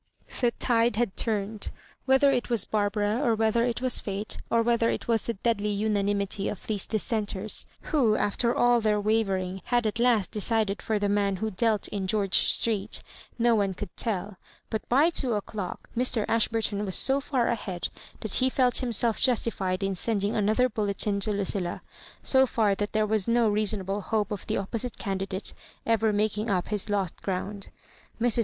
The tide had turned. Whether it was Bar bara, or whether it was fate, or whether it was the deadly unanimity of these Dissenters, who, after all their wavering, had at last decided for the man who "dealt" in Gteorge Street — ^no one could tell; but by two o'clock Mr. Ashburton was so far ahead that he felt himself justified in sending another bulletin to Lucillar so far that there was no reasonable hope of the oppo site candidate ever making up his lost ground. Mrs.